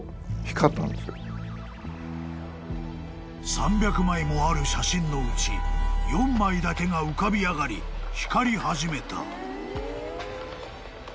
［３００枚もある写真のうち４枚だけが浮かび上がり光り始めた］